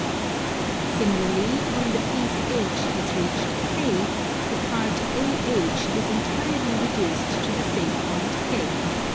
Similarly when the piece H has reached K, the part AH is entirely reduced to the same point K.